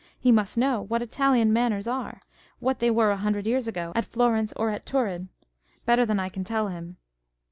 He must know what Italian manners are â€" what they were a hundred years ago, at Florence or at Turin,2 better than 1 can tell him.